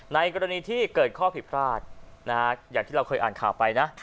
ในกรณีที่เกิดข้อผิดพลาดอย่างที่เราเคยอ่านข่าวไปนะ